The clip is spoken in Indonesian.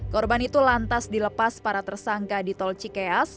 korban itu lantas dilepas para tersangka di tol cikeas